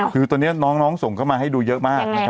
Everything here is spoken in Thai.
คือตอนนี้น้องส่งเข้ามาให้ดูเยอะมากนะครับ